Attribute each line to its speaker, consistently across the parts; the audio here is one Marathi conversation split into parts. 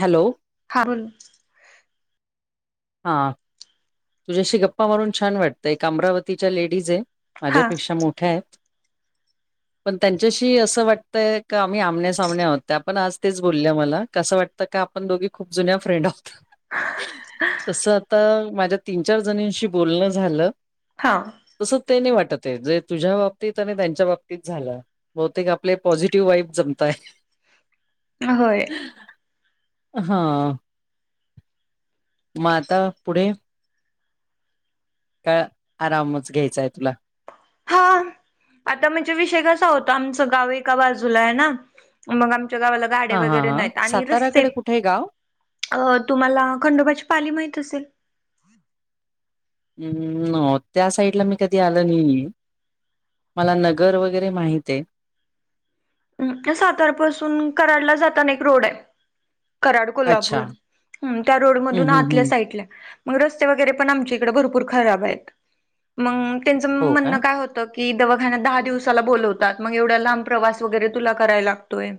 Speaker 1: हॅलो
Speaker 2: हा बोल ना
Speaker 1: हा तुझ्याशी गप्पा मारून छान वाटतं एक अमरावतीच्या लेडीज आहे.
Speaker 2: हा
Speaker 1: माझ्यापेक्षा मोठ्या आहेत. पण त्यांच्याशी असं वाटतंय का आम्ही आमण्या सामन आहोतत्या पणआज तेच बोलल्या मला कसं वाटतं. आत आपण दोघी खूप जुन्या फ्रेड आहोत. तसं आता माझ तीन चार जणीशी बोलणं झालं.
Speaker 2: हा
Speaker 1: तसं ते नाही वाटतं आहे जे तुझ्या बाबतीत आणि त्यांच्या बाबतीत झालं. बहुतेक आपले पॉझिटिव्ह वाईफ जगताय
Speaker 2: होय
Speaker 1: हा मग आता पुढे? काय आरामच घ्यायचाय तुला
Speaker 2: हा
Speaker 1: [unintelligible]
Speaker 2: आता म्हणजे विषय कसा होता आमचं गाव एका बाजूला आहे ना मग आमच्या गावाला झाडे
Speaker 1: हां, हां,
Speaker 2: वगैरे
Speaker 1: हां.
Speaker 2: नाहीत आणि रस्ते
Speaker 1: साताराकडे कुठे आहे गाव?
Speaker 2: तुम्हाला खंडोबाची पाली माहीत असेल?
Speaker 1: नो त्या साईडला मी कधी आल नाही. मला नगर वगैरे माहित आहे.
Speaker 2: सातारपासून कराडला जाताना एक रोड आहे. कराड
Speaker 1: अच्छा
Speaker 2: कोल्हापूर त्या
Speaker 1: हं
Speaker 2: रोडमधून
Speaker 1: हं
Speaker 2: आतल्या
Speaker 1: हं
Speaker 2: साईडला आहे. मग रस्ते वगैरे पण आमच्या इकडे भरपूर खराब आहेत मग त्यांचं
Speaker 1: हो का?
Speaker 2: म्हणणं काय होत. दवाखान्यात दहा दिवसाला बोलवतात मग एवढ्या लांब प्रवास वगैरे तुला करायला लागतोय.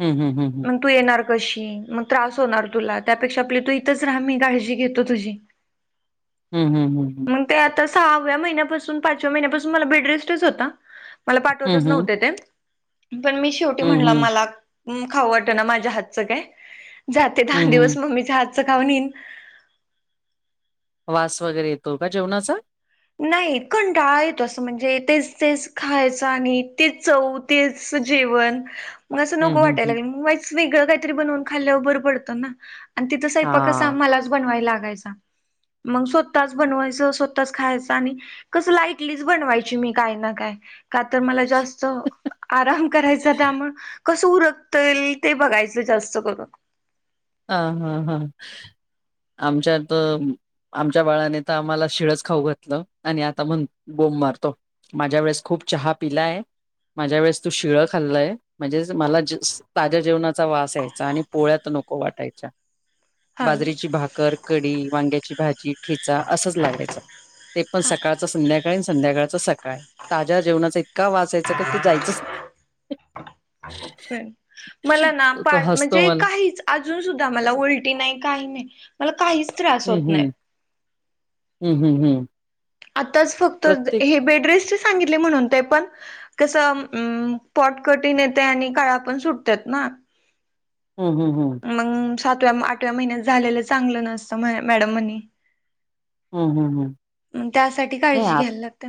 Speaker 1: हम्म, हम्म.
Speaker 2: मग तू येणार कशी मग त्रास होणार तुला त्यापेक्षा आपली तू इथंच राहा मी काळजी घेतो तुझी.
Speaker 1: ह, ह.
Speaker 2: मग ते आता सहाव्या महिन्यापासून, पाचव्या महिन्यापासून मला बेडरेस्टच होता. मला
Speaker 1: हं
Speaker 2: पाठवतच
Speaker 1: हं.
Speaker 2: नव्हते ते पण मी शेवटी
Speaker 1: हं
Speaker 2: म्हणल
Speaker 1: हं.
Speaker 2: मला खाऊ वाट ना माझ्या हातचं काय. जाते दहा
Speaker 1: हं हं.
Speaker 2: दिवस मम्मीचा हातचं खाऊन ईन.
Speaker 1: वास वगैरे येतो का जेवणाचा?
Speaker 2: नाही कंटाळा येतो तसं म्हणजे तेच, तेच खायचं आणि तेच चव तेच जेवण. मग असं
Speaker 1: हं
Speaker 2: नको
Speaker 1: हं
Speaker 2: वाटायला
Speaker 1: हं.
Speaker 2: लागलय मग वेगळं काहीरी बनवून खाल्ल्यावर बरं पडतना. आणि तिथं स्वयंपाक कसा
Speaker 1: हां.
Speaker 2: मलाच बनवायला लागायचा मग स्वतःच, बनवायच स्वतच, खायच आणि कस लाईटलीच बनवायची मी काय ना काय का तर मला जास्त आराम करायचा त्यामुळे कसं उरकताय ते बघायचं जास्त करून.
Speaker 1: हा, हा, हां आमच्या त आमच्या बाळाने तर आम्हाला शिळच खाऊ घातलं आणि आता मण बोंब मारतो. माझ्या वेळेस खूप चहा पिलाय माझ्या वेळेस तू शिळं खाल्लंय म्हणजे मला ताज्या जेवणाचा वास आयचा. आणि पोळ्यात नको वाटायच्या
Speaker 2: हा ना
Speaker 1: बाजरीची भाकर कडी वांग्याची भाजी ठिचा असंच लागायच. ते पण
Speaker 2: हा
Speaker 1: सकाळच संध्याकाळी आणि संध्याकाळचं सकाळ काय ताज्या जेवणाचा इतका वासा यायचा का ते जायचंच नाही.
Speaker 2: मला ना
Speaker 1: तो तो हसतो
Speaker 2: म्हणजे
Speaker 1: मला
Speaker 2: काय अजून सुद्धा मला उलटी नाही काही नाही मला काहीच त्रास
Speaker 1: हम्म
Speaker 2: होत नाही.
Speaker 1: हम्म. हम्म, हम्म, हम्म.
Speaker 2: आत्ताच फक्त
Speaker 1: प्रत्येक
Speaker 2: हे बेडरेस्ट सांगितले म्हणून ते पण कसं पोट कठीण येते आणि काळा पण सुटतात ना.
Speaker 1: हम्म, हम्म, हं.
Speaker 2: मग सातव्या, आठव्या महिन्यात झालेलं चांगलं नसतं मॅडम म्हणे.
Speaker 1: हम्म हम्म हम्म
Speaker 2: त्यासाठी
Speaker 1: नाही
Speaker 2: काळजी
Speaker 1: आ
Speaker 2: घ्यायला लागते.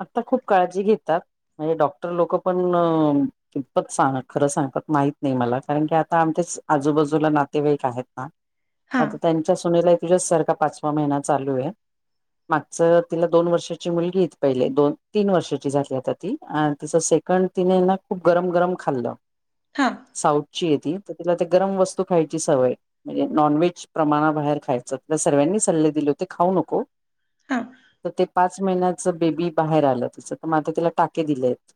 Speaker 1: आता खूप काळजी घेतात म्हणजे डॉक्टर लोक पण कितपत सांग खरं सांगतात माहत नाही मला कारण की आता आमच्याच आजूबाजूला नातेवाईक आहेत ना.
Speaker 2: हा
Speaker 1: आता त्यांच्या सुनेला तुझ्याच सारखा पाचवा महिना चालू आहे मागच तिला दोन वर्षाची मुलगीच पहिले दोन, तीन वर्षाची झाली आता ती तिचं सेकंड तिने ना खूप गरम, गरम खाल्लं
Speaker 2: हा
Speaker 1: साऊथची येती तर तिला ते गरम वस्तू खायची सवय म्हणजे नॉन व्हेज प्रमाणाबाहेर खायचं सर्वानी सल्ले दिले होते खाऊ नको
Speaker 2: हा
Speaker 1: तर ते पाच महिन्याच बेबी बाहेर आलं तच तर माता तिला टाके दिले आहेत.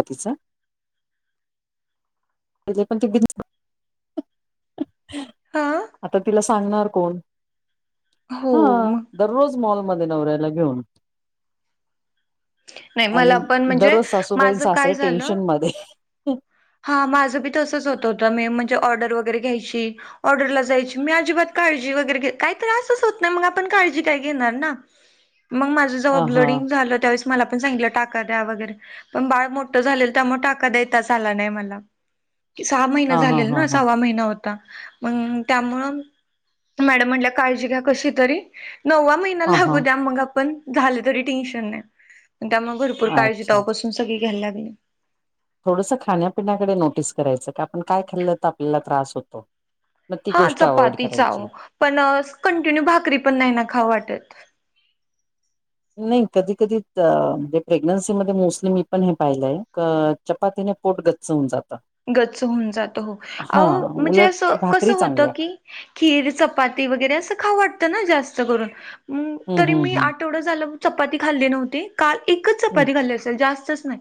Speaker 1: कतीचा [unintelligible] त पण ते [unintelligible]
Speaker 2: हा
Speaker 1: आता तिला सांगणार कोण.
Speaker 2: हो
Speaker 1: हा
Speaker 2: मग
Speaker 1: दररोज मॉलमध्ये नवऱ्याला घेऊन.
Speaker 2: नाही
Speaker 1: आणि
Speaker 2: मला पण म्हणजे
Speaker 1: दररोज सासूबाई,
Speaker 2: माझं काय
Speaker 1: सासरे
Speaker 2: झालं
Speaker 1: टेन्शन मध्ये.
Speaker 2: हा माझं बी तसंच होत होत मी म्हणजे ऑर्डर वगैरे घ्यायची. ऑर्डरला जायची मी अजिबात काळजी वगैरे काही त्रासच होत नाही मग आपण काळजी काय घेणारना मग माझ जवा
Speaker 1: हा हा
Speaker 2: ब्लडिंग झाल त्यावेळेस मला पण सांग टकाद्या वगैरे पण बाठ झाल त्यामुळे टाका देताच आला नाही. सहा महिना
Speaker 1: हां,
Speaker 2: झाले
Speaker 1: हां, हां,
Speaker 2: ना
Speaker 1: हां,
Speaker 2: सवा महिना होत त्यामुळ मॅडम म्हणल्या काळजी घ्या कशी तरी नवा महिणा होता.
Speaker 1: हां,
Speaker 2: लागु
Speaker 1: हां.
Speaker 2: द्या मग आपण झाल तरी काय टेन्शन नाही त्यामुळे भरपूर काजी
Speaker 1: अच्छा.
Speaker 2: सगळी घ्यायला लागली.
Speaker 1: थोडसं खाण्यापिण्याकडे नोटीस करायचं की आपण काय खाल्लं तर आपल्याला त्रास होतो मग ती
Speaker 2: हा
Speaker 1: गोष्ट अव्हॉइड
Speaker 2: चपाती
Speaker 1: करायची.
Speaker 2: चाव पण कंटिन्यू भाकरी पण नाही ना खाऊं वाटत
Speaker 1: नाही कधी कधी म्हणजे प्रेग्नन्सीमध्येध्ये मोस्टली मी पण हे पाहिलंय चपातीने पोट गच्चवून जातं
Speaker 2: गच्च होऊन जात हो
Speaker 1: हां,
Speaker 2: म्हणजे
Speaker 1: उलट
Speaker 2: असं कस
Speaker 1: भाकरी
Speaker 2: होतं
Speaker 1: चांगल्या.
Speaker 2: की खीर चपाती वगैरे असं खावटतं ना जास्त करून
Speaker 1: हं,
Speaker 2: तरी
Speaker 1: हं,
Speaker 2: मी
Speaker 1: हं,
Speaker 2: आठवडं झालं चपाती खाल्ली नव्हती काल एकच
Speaker 1: हं.
Speaker 2: चपाती खाल्ली असेल जास्तच नाही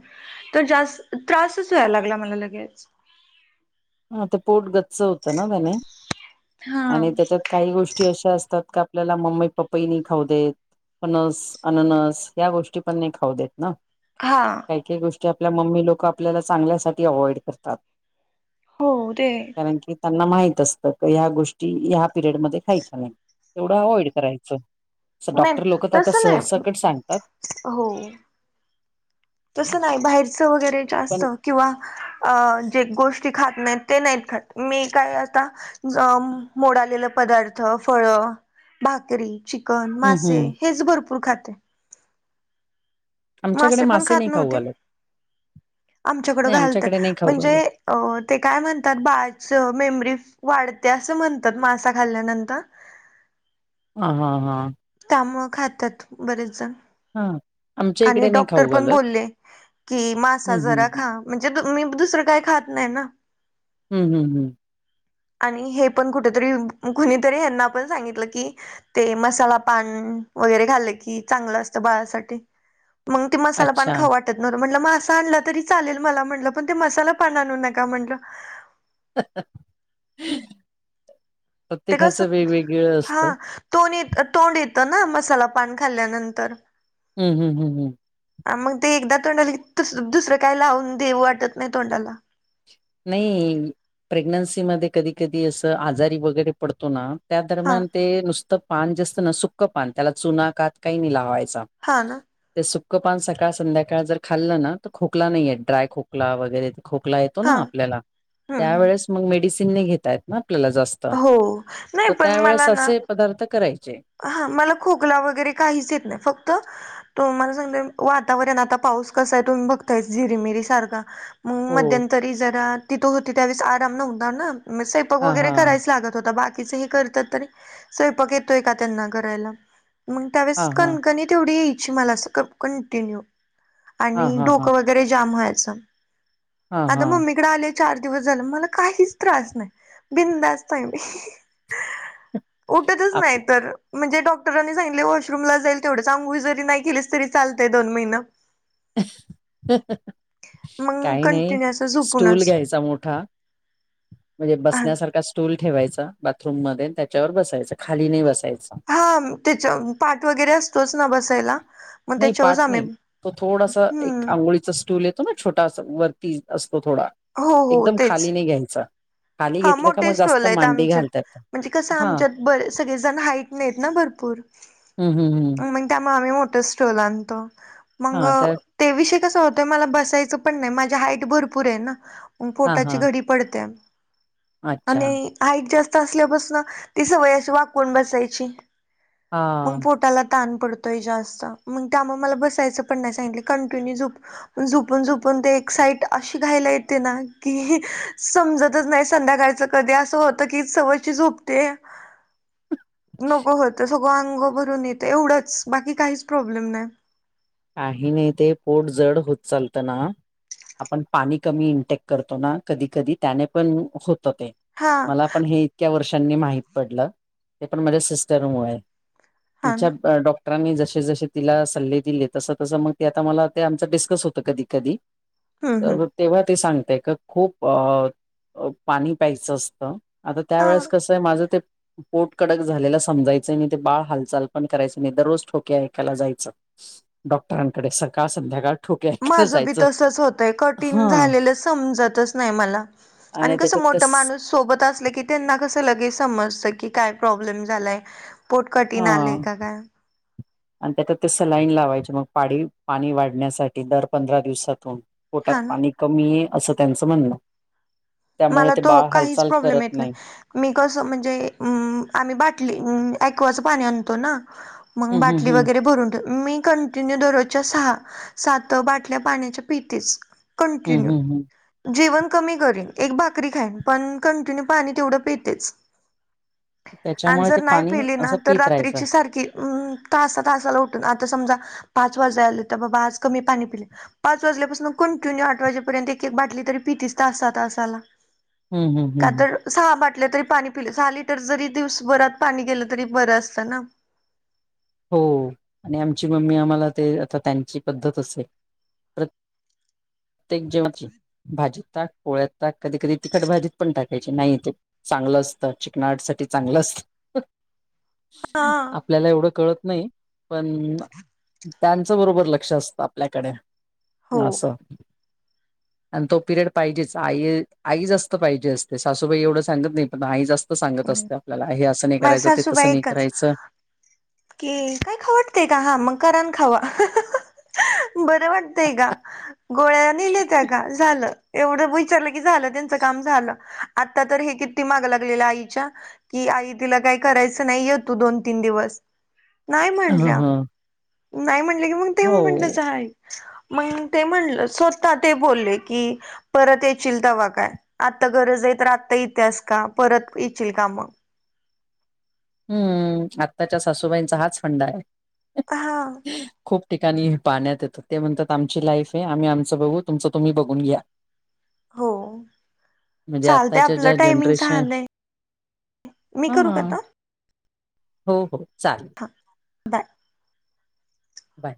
Speaker 2: तर जास्त त्रासच वय लागला मला लगेच
Speaker 1: ह ते पोट गच्च होत ना त्याने
Speaker 2: हा
Speaker 1: आणि त्याच्यात काही गोष्टी अशा असतात का आपल्याला मम्मी पप्पही नि खाऊ देत पणस अननस या गोष्टी पण नाही खाऊ देत ना
Speaker 2: हां
Speaker 1: का काही गोष्टी आपल्या म्मी लोक आपल्याला चांगल्या अवइड करतात
Speaker 2: हो ते
Speaker 1: कारण की त्यांना माहित असतं क ह्या गोष्टी ह्या पिरयड मध्ये खायच्या नाही तेवढं अवॉइड करायचं
Speaker 2: नाही
Speaker 1: डॉक्टर लोक आता
Speaker 2: तसं नाही
Speaker 1: सर्साकडे सांगतात
Speaker 2: हो तसं नाही बाहेरचं वगैरे
Speaker 1: पण
Speaker 2: जास्तं किंवा अ जे गोष्टी खात नाहीत ते नाहीत खात मी काय आता मोडलेलं पदार्थ फळ भाकरी च न
Speaker 1: हम्म
Speaker 2: मासे
Speaker 1: हम्म
Speaker 2: हेच भरपूर खाते
Speaker 1: आमच्याकडे मासे नाही खाऊ घालत.
Speaker 2: आमच्याकडं
Speaker 1: नाही
Speaker 2: घालतात
Speaker 1: आमच्याकडे नाही खाऊ
Speaker 2: म्हणजे
Speaker 1: घालत.
Speaker 2: अ ते काय म्हणतात बाळाच मेमरी वाढते असं म्हणतात मासा खाल्ल्यानंतर
Speaker 1: ह हां हां
Speaker 2: त्यामुळं खात्यात बरेच जण.
Speaker 1: हा आमच्या
Speaker 2: आणि
Speaker 1: इकडे नाही
Speaker 2: डॉक्टर
Speaker 1: खाऊ
Speaker 2: पण
Speaker 1: घालत.
Speaker 2: बोलले की मासा
Speaker 1: हम्म हम्म
Speaker 2: जरा खा म्हणजे ब मी दुसरं काही खात नाही ना
Speaker 1: हम् हम्म हम
Speaker 2: आणि हे पण कुठेतरी कुणीतरी यांना पण सांगितलं की ते मसाला पान वगैरे घालं की चांगलं असतं बाळासाठी मग तेन मसाला पान
Speaker 1: अच्छा.
Speaker 2: खाऊ वा म्हटल मासा आणला तरी चालेल मला म्हटलं पण ते मसाला पण आणू नका म्हटलं. ते कसं
Speaker 1: प्रत्येकाचं वेगवेगळ
Speaker 2: हा
Speaker 1: असतं
Speaker 2: तोंड ये तोंड येतं ना मसाला पान खाल्ल्यानंतर.
Speaker 1: हम् हम हम हम
Speaker 2: हा मग ते एकदा तोंड आल की दुस दुसरं काय लावून देऊ वाटत नाही तोंडाला.
Speaker 1: नाही प्रेग्नन्सी मध्ये कधी कधी असं आजारी वगैरे पडतो ना त्या
Speaker 2: हा
Speaker 1: दरम्यान ते नुसतं पान जे असतं ना सुकं पान त्याला चुना कात काही नाही लावायचा.
Speaker 2: हां ना
Speaker 1: ते सुक्क पान सकाळ संध्याकाळ जर खाल्लं ना तर खोकला नाहीयेत ड्राय खोकला वगैरे खोकला येतो
Speaker 2: हा
Speaker 1: ना आपल्याला त्या
Speaker 2: हम्म
Speaker 1: वेळेस मग मेडिसिन नाई घेता येत ना आपल्याला जास्त
Speaker 2: हो नाही
Speaker 1: तर
Speaker 2: पण
Speaker 1: त्यावेेळेस
Speaker 2: मला ना
Speaker 1: असे पदार्थ करायचे.
Speaker 2: हा मला खोकला वगैरे काहीच येत नाही फक्त तुम्हाला सांगते वातावरण आता पाऊस कसा आहे तुम्ही बघतायस झिरीमरी सारखा मग
Speaker 1: हो.
Speaker 2: मध्यंतरी जरा तिथं होती त्यावेळेस आराम नव्हता ना स्वपाक
Speaker 1: हां,
Speaker 2: वगैरे
Speaker 1: हां.
Speaker 2: करायच लागत होता बाकीच हे करतात तरी स्वयपाक येतोय का त्यांना करायला. मग त्यावेळेस
Speaker 1: हां, हां.
Speaker 2: कणकणी तेवढी यायची मला अस कंटिन्यू
Speaker 1: हां,
Speaker 2: आणि
Speaker 1: हां,
Speaker 2: डोक
Speaker 1: हां.
Speaker 2: वगै वगैरे जाम व्हायच
Speaker 1: हां,
Speaker 2: आता
Speaker 1: हां.
Speaker 2: मम्मीकडे आले चार दिवस झालं मला काहीच त्रास नाही बिनधास्त नाही मी उठतच
Speaker 1: आप
Speaker 2: नाही तर म्हणजे डॉक्टरांनी सांगितलय वॉशरूमला जाईल तेवढंच अंघोळ जरी नाई केलीस तरी चालतंय दोन महिन.
Speaker 1: [unintelligible]
Speaker 2: मग
Speaker 1: काही नाही
Speaker 2: कंटिन्यू असं
Speaker 1: स्टूल
Speaker 2: झोपूनच
Speaker 1: घ्यायचा मोठा म्हणजे बसण्यासारखा स् टूल ठेवायचा बाथरूम मध्ये त्याच्यावर बसायचं. खाली नाही बसायचं.
Speaker 2: हा त्याच्या पाठ वगैरे असतोच ना बसायला. मग
Speaker 1: नाही
Speaker 2: त्याच्यावरच
Speaker 1: पाठ
Speaker 2: आम्ही
Speaker 1: नाही तो थोडासा एक
Speaker 2: हम्म
Speaker 1: अंघोळीचा स्टूल येतो ना छोटा असा वरती असतो थोडा.
Speaker 2: हो हो
Speaker 1: एकदम
Speaker 2: तेच
Speaker 1: खाली नाही घ्यायचा. खाली
Speaker 2: हा
Speaker 1: घेतलं का
Speaker 2: मोठे
Speaker 1: मग
Speaker 2: स्टूल
Speaker 1: जास्त
Speaker 2: आहेत
Speaker 1: मांडी
Speaker 2: आमच्यात.
Speaker 1: घालतात
Speaker 2: म्हणजे कस
Speaker 1: हा
Speaker 2: आमच्यात ब सगळेजण हाईट ने आहेत ना भरपूर.
Speaker 1: हम्म, हम्, हम्.
Speaker 2: त्यामुळ आम्ही मोठ स्टूल आणतो. मग
Speaker 1: हा तर
Speaker 2: ते विषय कसा होतोय. मला बसायचं पण नाही. माझी हाईट भरपूर हे ना. म
Speaker 1: हा हा
Speaker 2: पोटाची घडी पडत्या.
Speaker 1: अच्छा
Speaker 2: आणि हाईट जास्त असल्यापासन ती सवय अशी वाकून बसायची.
Speaker 1: हा
Speaker 2: मग पोटाला - - ताण पडतोय जास्त, मग त्यामुळ मला बसायचं पण नाही सांगितलं. कंटिन्यू झोप झोपून झोपून ते एक साइट अशी घाईला येते ना की समजतच नाही स संध्याकाळच कधी अस होत की सवची झोपते नको होत. सगळं अंग भरून येतं, एवढंच बाकी काहीच प्रॉब्लेम नाही.
Speaker 1: काही नाही ते पोट जड होत चालतं ना आपण पाणी कमी इंटेक करतो ना कधी कधी त्याने पण होत ते.
Speaker 2: हा
Speaker 1: मला पण हे इतक्या वर्षांनी माहीत पडलं ते पण माझ्या सिस्टरमुळे.
Speaker 2: हा ना
Speaker 1: तिच्या डॉक्टरांनी जसे जसे तिला सल्ले दिलेत - - तस तसं मग ते आता मला ते आमच डिस्कस होतं कधी कधी
Speaker 2: हम्म हम्म
Speaker 1: तर तेव्हा ते सांगते का खूप अ पाणी प्यायचं असतं आता
Speaker 2: हा
Speaker 1: त्यावेेळेस कसं माझं ते पोट कडक झालेला समाचं नाही. ते बाळ हालचाल पण करायचं नाही. दररोज ठोके ऐकायला जायचं. डॉक्टरांकडे सकाळ संध्याकाळ. ठोके ऐकायला
Speaker 2: माझंबी
Speaker 1: जायचं
Speaker 2: तसच होतंय.
Speaker 1: हा
Speaker 2: कठीण झालेलं समजतच नाही मला. आणि कसं मोठं माणूस सोबत असलं की त्यांना कसं लगेच समजत की काय प्रॉब्लेम झालाय. पोट कठीण
Speaker 1: हा
Speaker 2: आलेय का काय.
Speaker 1: [inaudible] आणि त्याच्या ते सलाईन लावायचे मग पाडी पाणी वाढण्यासाठी दर पंधरा दिवसातून. पोटात
Speaker 2: हा ना
Speaker 1: पाणी कमी ये असं त्यांचं म्हणण त्यामुळ
Speaker 2: मला
Speaker 1: ते
Speaker 2: तो
Speaker 1: बाळ
Speaker 2: काहीच
Speaker 1: हालचाल
Speaker 2: प्रॉब्लेम
Speaker 1: करत
Speaker 2: येत
Speaker 1: नाही.
Speaker 2: मी कसं म्हणजे आम्ही बाटली ॲकवाच पाणी आणतो ना. मग
Speaker 1: हम्म हम्म
Speaker 2: बाटली
Speaker 1: हम्म
Speaker 2: वगैरे भरून ठे मी कं दरोजच्या सहा, सात बाटल्या पाण्याच्या पितेच
Speaker 1: हम्म
Speaker 2: कंटिन्यु.
Speaker 1: हम्म हम्म.
Speaker 2: जेवण कमी करेन. एक भाकरी खाईन पण, कंटिन्यू पाणी तेवढं पितेच. आणि
Speaker 1: त्याच्यामुळे ते
Speaker 2: जर नाही
Speaker 1: पाणी
Speaker 2: पेली ना
Speaker 1: असं
Speaker 2: तर
Speaker 1: पित राहायचं.
Speaker 2: रात्रीची सारखी हम् तासा तासाला उठून आता समजा पाच वाजाय आले तर बाबा आज कमी पाणी पिले - - पाच वाजल्यापासून कंटिन्यू आठ वाजेपर्यंत एक एक बाटली तरी पितीचं तासा तास- - साला
Speaker 1: हम्म हम्म
Speaker 2: का
Speaker 1: हम्म.
Speaker 2: तर सहा बाटल्या तरी पाणी पिले सहा लिटर जरी दिवसभरात पाणी गेलं तरी बरं असतं ना.
Speaker 1: हो आणि आमची मम्मी आम्हाला ते आता त्यांची पद्धत असेल प्र त्येक जेवची - - भाजी ताक, पोळ्यात ताक कधी कधी तिखट भाजीत पण टाकायचे नाही तेे चांगलं असतं. चिकनाट साठी चांगलं असत.
Speaker 2: हा.
Speaker 1: आपल्याला एवढं कळत नाही. पण त्यांचं बरोबर लक्ष असतं आपल्याकडे
Speaker 2: हो
Speaker 1: असं. आणि तो पिरियड पाहिजेच. आई आई जास्त पाहिजे असते सासूबाई एवढं सांगत नाही पण आई जास्त सांगत
Speaker 2: नाही
Speaker 1: असते आपल्याला हे असं नाही
Speaker 2: माझी
Speaker 1: करायचं ते
Speaker 2: सासूबाई
Speaker 1: तसं नाही
Speaker 2: एकच
Speaker 1: करायचं.
Speaker 2: की काय खाव वाटतय का हा मग करा अन खावा! बरं वाटतंय का गोळ्या नेल्यात्या का झालं. एवढं विचारलं की झालं त्यांचं काम झालं आता तर हे किती माग लागलेल्या आईच्या कि आई तिला काही करायचं नाही य तु दोन तीन दिवस. नाही
Speaker 1: ह
Speaker 2: म्हटल्या
Speaker 1: ह
Speaker 2: नाही म्हटले की मग
Speaker 1: हो
Speaker 2: तेव्हा म्हटलं जा आई. मग ते म्हणलं स्वतः ते बोलले की परत येचीलतवा काय आत्ता गरज आहे तर आत्ता येतेस का परत येचील का मग?
Speaker 1: हम्म आत्ताच्या सासूबाईंचा हाच फंडा आहे
Speaker 2: हा
Speaker 1: खूप ठिकाणी पाहण्यात येतं ते म्हणतात आमची लाईफ आहे आम्ही आमचं बघू तुमचं तुम्ही बघून घ्या.
Speaker 2: हो
Speaker 1: म्हणजे
Speaker 2: चालतय
Speaker 1: आत्ताच्या
Speaker 2: आपलं
Speaker 1: ज्या
Speaker 2: टायमिंग
Speaker 1: जनरेशन
Speaker 2: झालंय. मी
Speaker 1: हा
Speaker 2: करू का आता?
Speaker 1: हो हो चाल
Speaker 2: बाय!
Speaker 1: बाय!